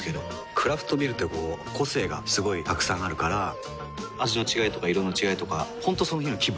クラフトビールってこう個性がすごいたくさんあるから味の違いとか色の違いとか本当その日の気分。